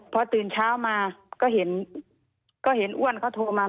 พอตื่นเช้ามาก็เห็นก็เห็นอ้วนเขาโทรมา